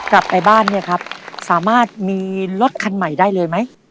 กลับไปบ้านเนี่ยครับสามารถมีรถคันใหม่ได้เลยไหม